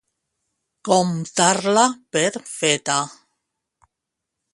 Comptar-la per feta.